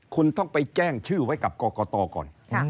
คุณต้องไปแจ้งชื่อไว้กับกรกตก่อน